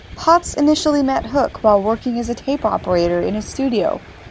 Potts initially met Hook while working as a tape operator in his studio.